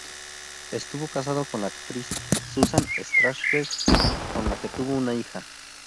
Estuvo casado con la actriz Susan Strasberg, con la que tuvo una hija.